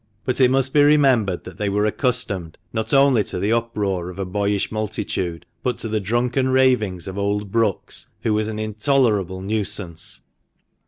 But it must be remembered that they were accustomed, not only to the uproar of a boyish multitude, but to the drunken ravings of old Brookes, who was an intolerable nuisance.